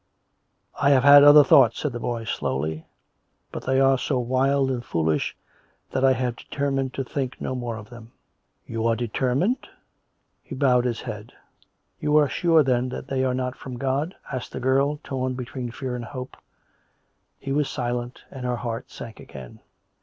" I have had other thoughts," said the boy slowly, " but they are so wild and foolish that I have determined to tliink no more of them." " You are determined.'' " He bowed his head. "You are sure, then, that they are not from God.f*" asked the girl, torn between fear and hope. He was silent; and her heart sank again.